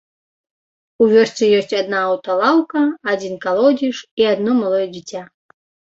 У вёсцы ёсць адна аўталаўка, адзін калодзеж і адно малое дзіця.